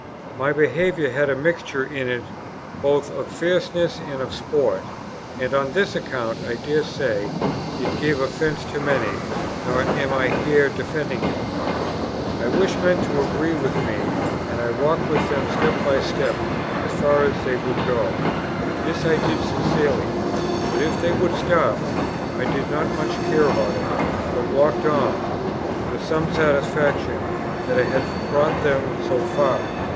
My behaviour had a mixture in it both of fierceness and of sport; and on this account, I dare say, it gave offence to many; nor am I here defending it. I wished men to agree with me, and I walked with them step by step, as far as they would go; this I did sincerely; but if they would stop, I did not much care about it, but walked on, with some satisfaction that I had brought them so far.